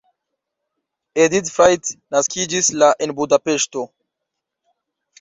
Edit Frajt naskiĝis la en Budapeŝto.